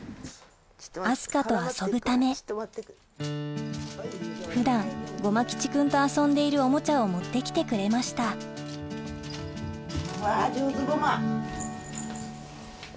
明日香と遊ぶため普段ごま吉くんと遊んでいるおもちゃを持って来てくれましたうわ上手ごま。